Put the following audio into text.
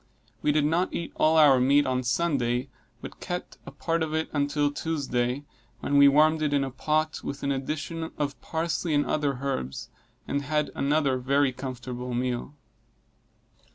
We did not eat all our meat on Sunday, but kept part of it until Tuesday, when we warmed it in a pot, with an addition of parsley and other herbs, and had another very comfortable meal.